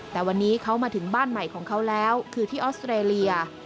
แต่วันนี้เขามาถึงบ้านใหม่ของเขาแล้วคือที่ออสเตรเลีย